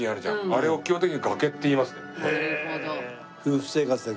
あれを基本的に崖って言いますね。